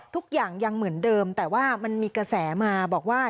ทุกอย่างยังเหมือนเดิมแต่ว่ามันมีกระแสมาบอกว่า